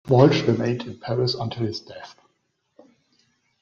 Walsh remained in Paris until his death.